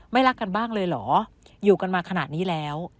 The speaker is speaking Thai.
รักกันบ้างเลยเหรออยู่กันมาขนาดนี้แล้ว